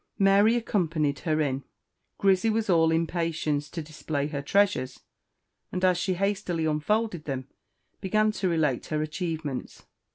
Mary accompanied her in. Grizzy was all impatience to display her treasures; and as she hastily unfolded them, began to relate her achievements.